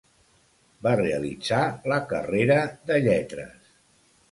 Va realitzar la carrera de Lletres.